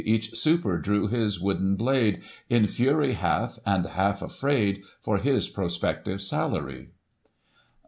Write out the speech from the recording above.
Each super drew his wooden blade. In fury half, and half afraid For his prospective salary.